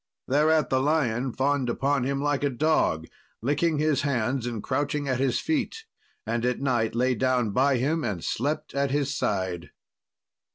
Thereat the lion fawned upon him like a dog, licking his hands, and crouching at his feet, and at night lay down by him and slept at his side.